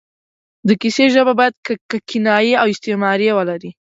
د کیسې ژبه باید کنایې او استعارې ولري.